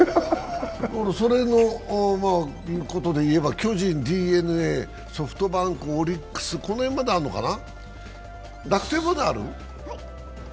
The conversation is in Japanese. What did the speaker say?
それでいえば、巨人、ＤｅＮＡ、ソフトバンク、オリックス、この辺まであるのかな？